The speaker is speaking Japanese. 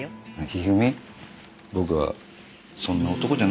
一二三僕はそんな男じゃないよ。